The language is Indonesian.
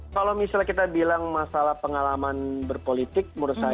kalau misalnya kita bilang masalah pengalaman berpolitik